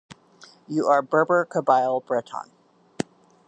You are Berber, Kabyle, Breton.